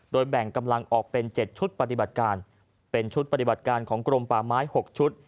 แบ่งกำลังออกเป็น๗ชุดปฏิบัติการเป็นชุดปฏิบัติการของกรมป่าไม้๖ชุด